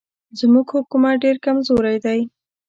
زموږ حکومت ډېر کمزوری دی.